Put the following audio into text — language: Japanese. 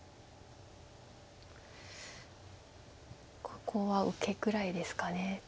ここは受けぐらいですか。